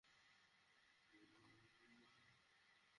আমার বয়সী অন্য কোনো শিশুর মৃত্যু হওয়া উচিত নয়।